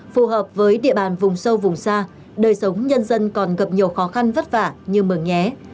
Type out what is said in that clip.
phù hợp với địa bàn vùng sâu vùng xa đời sống nhân dân còn gặp nhiều khó khăn vất vả như mường nhé